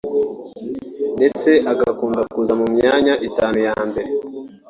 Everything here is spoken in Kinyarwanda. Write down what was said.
ndetse agakunda kuza mu myanya utanu ya mbere